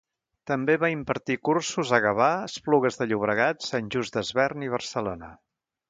També va impartir cursos a Gavà, Esplugues de Llobregat, Sant Just Desvern i Barcelona.